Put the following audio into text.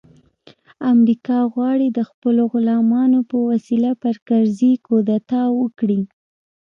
امریکا غواړي د خپلو غلامانو په وسیله پر کرزي کودتا وکړي